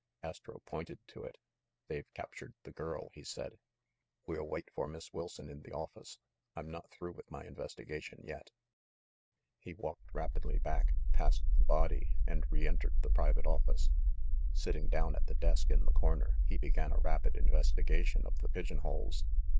Astro pointed to it. "They've captured the girl," THE MIDDLEBURY MURDER 395 he said. "We'll wait for Miss Wilson in tKe office ; I'm not through with my investigation yet." ;; He walked rapidly back, passed the body, and re entered the private office. Sitting down at the desk in the corner, he began a rapid investigation of the pigeonholes.